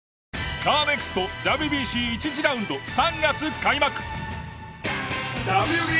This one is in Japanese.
カーネクストＷＢＣ１次ラウンド３月開幕。